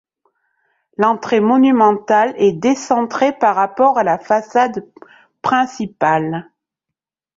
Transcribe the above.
L'entrée monumentale est décentrée par rapport à la façade principale.